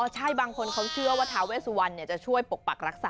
ใช่บางคนเขาเชื่อว่าทาเวสวันจะช่วยปกปักรักษา